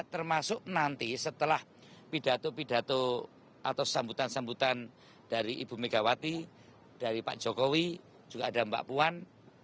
termasuk nanti setelah pidato pidato atau sambutan sambutan dari ibu megawati dari pak jokowi juga ada mbak puan